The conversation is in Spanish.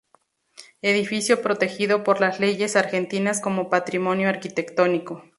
Edificio protegido por las leyes argentinas como patrimonio arquitectónico.